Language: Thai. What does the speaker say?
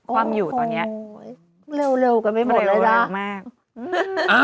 คว่ำอยู่ตอนเนี้ยเร็วเร็วกันไม่หมดเลยละเร็วเร็วมาก